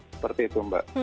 seperti itu mbak